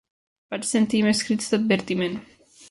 Vaig sentir més crits d'advertiment